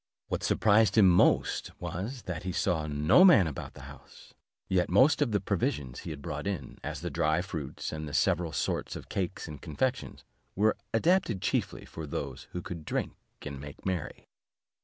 What surprised him most was, that he saw no man about the house, yet most of the provisions he had brought in, as the dry fruits, and the several sorts of cakes and confections, were adapted chiefly for those who could drink and make merry.